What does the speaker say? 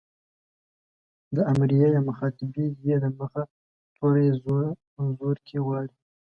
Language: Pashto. د امريه يا مخاطبې ئ د مخه توری زورکی غواړي.